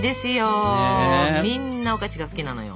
みんなお菓子が好きなのよ。